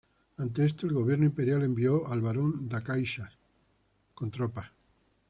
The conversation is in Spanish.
Ante esto el gobierno imperial envió al Barón de Caxias con tropas.